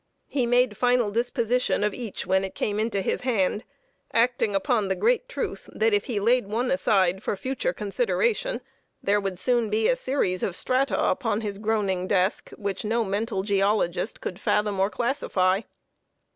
He made final disposition of each when it came into his hand; acting upon the great truth, that if he laid one aside for future consideration, there would soon be a series of strata upon his groaning desk, which no mental geologist could fathom or classify.